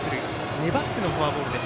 粘ってのフォアボール。